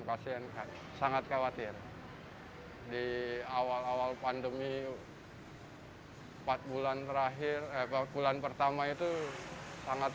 pasien sangat khawatir di awal awal pandemi empat bulan terakhir eva bulan pertama itu sangat